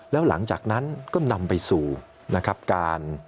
แล้วหลังจากนั้นก็นำไปสู่นะครับการ